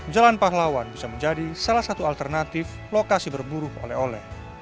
jalan pahlawan bisa menjadi salah satu alternatif lokasi berburu oleh oleh